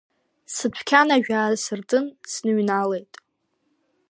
Сыдәқьанажә аасыртын, сныҩналеит.